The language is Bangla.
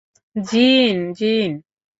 জিন, জিন!